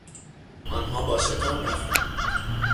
آنها با شتاب رفتند.